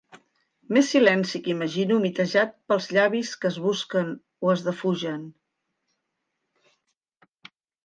Més silenci que imagino humitejat pels llavis que es busquen o es defugen.